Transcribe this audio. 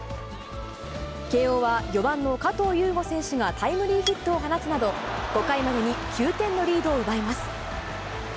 慶応は４番の加藤ゆうご選手がタイムリーヒットを放つなど、５回までに９点のリードを奪います。